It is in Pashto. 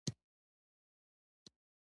قلم د روڼ اندو کار وسیله ده